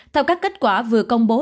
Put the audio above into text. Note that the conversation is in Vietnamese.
theo các kết quả vừa công bố